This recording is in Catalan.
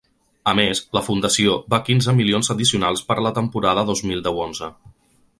A més, la fundació va quinze milions addicionals per la temporada dos mil deu-onze.